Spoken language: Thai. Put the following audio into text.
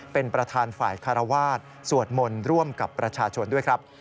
เป็นประธานฝ่ายคารวาสสวดมนต์ร่วมกับประชาชนด้วยครับ